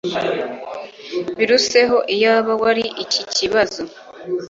biruseho Iyaba wari iki kibazo